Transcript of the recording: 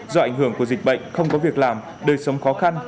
do ảnh hưởng của dịch bệnh không có việc làm đời sống khó khăn